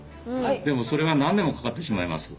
でもそれは何年もかかってしまいます。